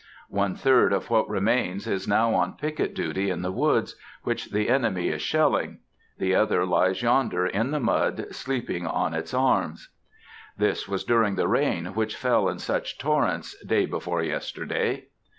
One third of what remains is now on picket duty in the woods, which the enemy is shelling; the other lies yonder, in the mud, sleeping on its arms." This was during the rain, which fell in such torrents day before yesterday.